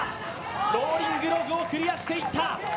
ローリングログをクリアしていった。